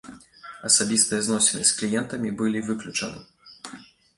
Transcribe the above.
Асабістыя зносіны з кліентамі былі выключаны.